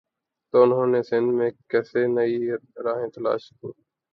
تو انہوں نے سندھ میں کیسے نئی راہیں تلاش کیں۔